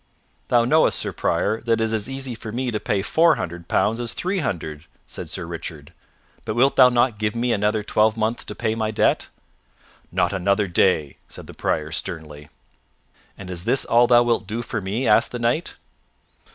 "Thou knowest, Sir Prior, that it is as easy for me to pay four hundred pounds as three hundred," said Sir Richard. "But wilt thou not give me another twelvemonth to pay my debt?" "Not another day," said the Prior sternly. "And is this all thou wilt do for me?" asked the Knight.